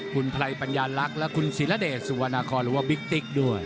คุณไพรปัญญาลักษณ์และคุณศิลเดชสุวรรณคอนหรือว่าบิ๊กติ๊กด้วย